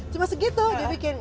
cuma segitu dia bikin